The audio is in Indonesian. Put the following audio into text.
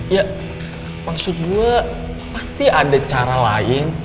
ya maksud gue pasti ada cara lain